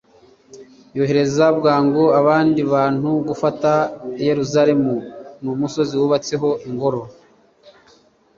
yohereza bwangu abandi bantu gufata yeruzalemu n'umusozi wubatseho ingoro